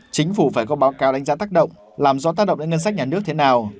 chính phủ phải có báo cáo đánh giá tác động làm do tác động đến ngân sách nhà nước thế nào